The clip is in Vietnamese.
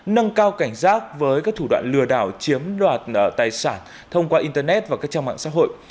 nâng cao cảnh giác với các thủ đoạn lừa đảo chiếm đoạt tài sản thông qua internet và các trang mạng xã hội